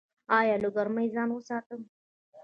ایا له ګرمۍ ځان وساتم؟